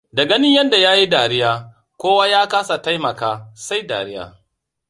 Da ganin yadda ya yi dariya, kowa ya kasa taimaka sai dariya.